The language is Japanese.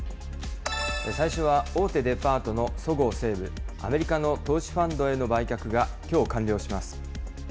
最初は大手デパートのそごう・西武、アメリカの投資ファンドへの売却がきょう、完了します。